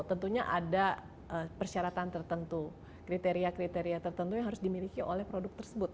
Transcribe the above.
tentunya ada persyaratan tertentu kriteria kriteria tertentu yang harus dimaksudkan